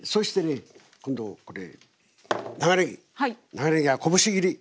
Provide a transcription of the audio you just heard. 長ねぎはこぶし切り。